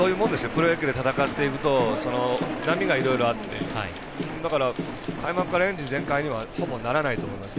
プロ野球で戦っていくと波がいろいろあって開幕からエンジン全開にはほぼならないと思います。